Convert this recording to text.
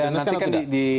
nanti kan dibahas lah